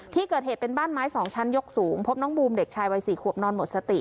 ที่เกิดเหตุเป็นบ้านไม้๒ชั้นยกสูงพบน้องบูมเด็กชายวัย๔ขวบนอนหมดสติ